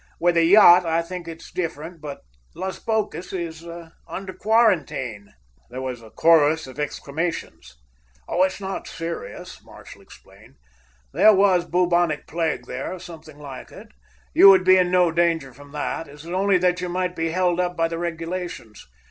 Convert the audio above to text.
With a yacht, I think it is different, but Las Bocas is under quarantine." There was a chorus of exclamations. "It's not serious," Marshall explained. "There was bubonic plague there, or something like it. You would be in no danger from that. It is only that you might be held up by the regulations.